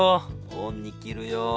恩に着るよ！！